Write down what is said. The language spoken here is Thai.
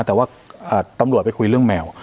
แต่ว่าตำรวจไปคุยเรื่องแมว